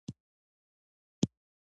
د مڼې دانه د سرطان لپاره مه خورئ